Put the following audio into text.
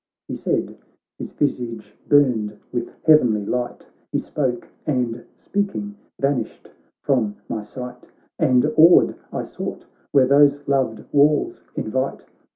•He said, his visage burned with heavenly light ; He spoke and, speaking, vanished from my sight ; And awed, I sought where those loved walls invite.